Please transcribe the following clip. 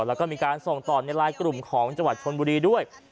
แล้วก็มีการส่งต่อในไลน์กลุ่มของจังหวัดชนบุรีด้วย